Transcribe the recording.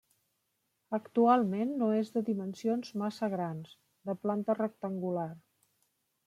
Actualment no és de dimensions massa grans, de planta rectangular.